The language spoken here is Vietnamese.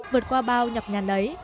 vượt qua bao nhọc nhàn đấy